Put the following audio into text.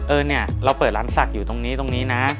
เออเนี่ยเราเปิดร้านศักดิ์อยู่ตรงนี้ตรงนี้นะ